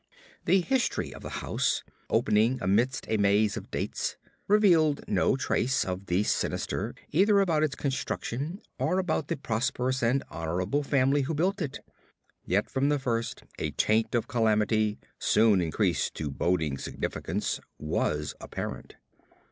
The history of the house, opening amidst a maze of dates, revealed no trace of the sinister either about its construction or about the prosperous and honorable family who built it. Yet from the first a taint of calamity, soon increased to boding significance, was apparent.